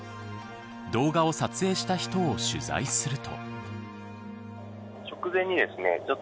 動画を撮影した人を取材すると。